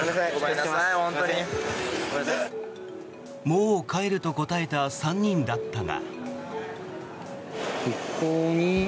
もう帰ると答えた３人だったが。